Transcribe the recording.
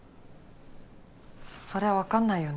そりゃ分かんないよね。